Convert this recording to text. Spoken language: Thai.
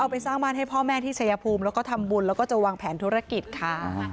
ไปสร้างบ้านให้พ่อแม่ที่ชายภูมิแล้วก็ทำบุญแล้วก็จะวางแผนธุรกิจค่ะ